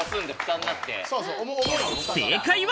正解は。